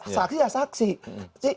saksi ya saksi